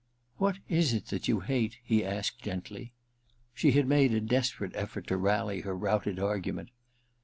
* What is it that you hate ?' he asked gently. She had made a desperate eflTort to rally her routed argument.